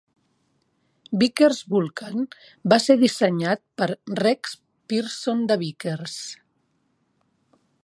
Vickers Vulcan va ser dissenyat per Rex Pierson de Vickers.